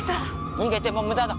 逃げても無駄だ。